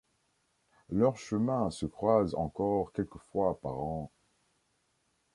Leurs chemins se croisent encore quelques fois par an.